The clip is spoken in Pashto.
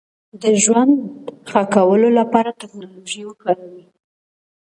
د ژوند ښه کولو لپاره ټکنالوژي وکاروئ.